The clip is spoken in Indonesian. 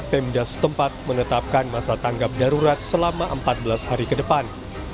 pemdas tempat menetapkan masa tanggap darurat selama empat belas hari ke depan